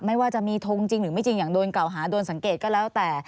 ไม่ว่าจะมีทงจริงหรือไม่จริงอย่างโดนเก่าหาโดนสังเกตก็แล้วแต่